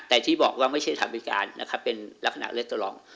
แต่ที่บอกว่าไม่ใช่ถามพิการนะครับเป็นลักษณะเลือดตรอง